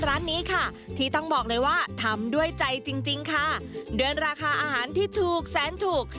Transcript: วัดที่ต้องบอกเลยว่าทำด้วยใจจริงค่ะเดือนราคาอาหารที่ถูกแซนถูก